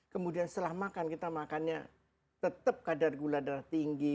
kemudian setelah makan kita makannya tetap kadar gula darah tinggi